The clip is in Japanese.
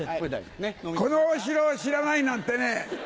このお城を知らないなんてね。